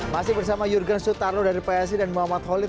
masih bersama jurgen sutarno dari payasi dan muhammad holon